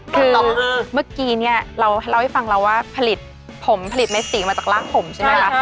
คือเมื่อกี้เราเล่าให้ฟังเราว่าผลิตผมผลิตไมสีมาจากรากผมใช่ไหมคะ